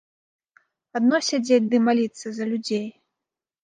Адно сядзець ды маліцца за людзей?